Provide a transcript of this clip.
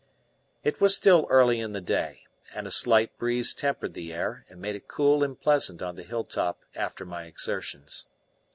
It was still early in the day, and a slight breeze tempered the air and made it cool and pleasant on the hilltop after my exertions.